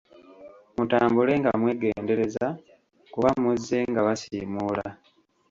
Mutambule nga mwegendereza kuba muzze nga basiimuula